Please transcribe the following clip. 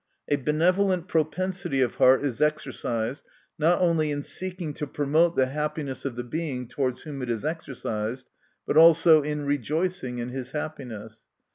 A benevolent propensity of heart is exercised not only in seeking to promote the happiness of the Being, towards whom it is exercised, but also in rejoicing in his happiness.